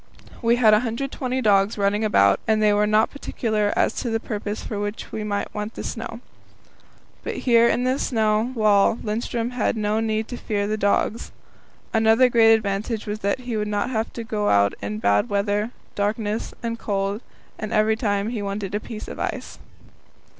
We had 120 dogs running about, and they were not particular as to the purpose for which we might want the snow. But here in this snow wall Lindström had no need to fear the dogs. Another great advantage was that he would not have to go out in bad weather, darkness, and cold, every time he wanted a piece of ice.